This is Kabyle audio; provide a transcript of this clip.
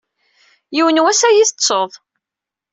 Yiwen n wass ad iyi-tettuḍ.